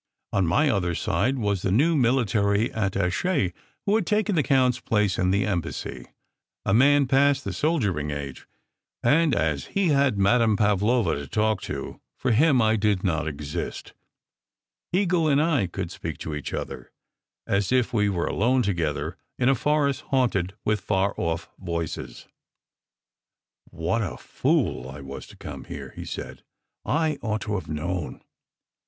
On my other side was the new military attache who had taken the count s place in the Embassy, a man past the soldiering age; and as he had Madame Pavlova to talk to, for him I did not exist. Eagle and I 278 SECRET HISTORY could speak to each other as if we were alone together in a forest haunted with far off voices. "What a fool I was to come here!" he said. "I ought to have known."